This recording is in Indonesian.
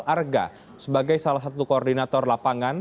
arga sebagai salah satu koordinator lapangan